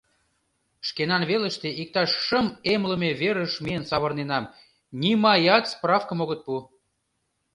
Шкенан велыште иктаж шым эмлыме верыш миен савырненам, нимаят справкым огыт пу.